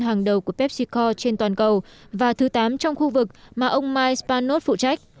hàng đầu của pepsico trên toàn cầu và thứ tám trong khu vực mà ông mike spanos phụ trách